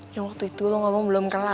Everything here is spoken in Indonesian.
yang waktu itu lo ngomong belum kenal